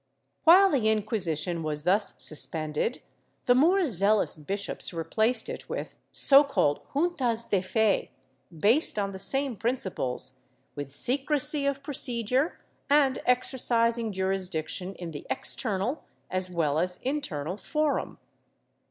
While the Inquisition was thus suspended, the more zealous bishops replaced it with so called Juntas de fe, based on the same principles, with secrecy of procedure and exercising jurisdiction in the external as well as internal forum.